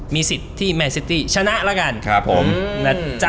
มีสิทธิแมนซิตี้ชนะนะจ้ะ